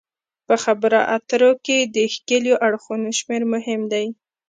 په خبرو اترو کې د ښکیلو اړخونو شمیر مهم دی